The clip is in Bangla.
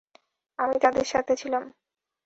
আমি তাদের সাথে ছিলাম।